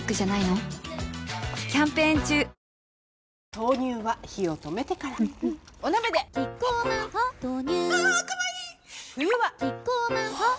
豆乳は火を止めてからうんうんお鍋でキッコーマン「ホッ」豆乳あかわいい冬はキッコーマン「ホッ」